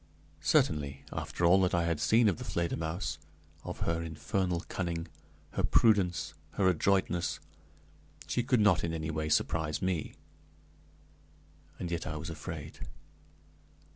Certainly, after all that I had seen of the Fledermausse, of her infernal cunning, her prudence, her adroitness, she could not in any way surprise me; and yet I was afraid.